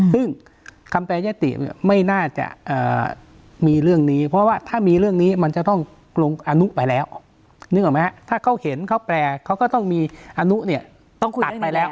ซึ่งคำแปรยติไม่น่าจะมีเรื่องนี้เพราะว่าถ้ามีเรื่องนี้มันจะต้องลงอนุไปแล้วนึกออกไหมฮะถ้าเขาเห็นเขาแปลเขาก็ต้องมีอนุเนี่ยต้องตัดไปแล้ว